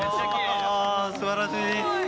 あすばらしい！